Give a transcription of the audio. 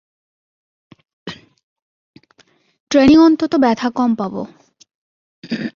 Training অন্তত ব্যথা কম পাব।